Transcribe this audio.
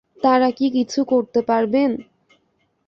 তাঁরা কি কিছু করতে পারবেন?